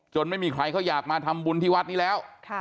ไม่มีใครเขาอยากมาทำบุญที่วัดนี้แล้ว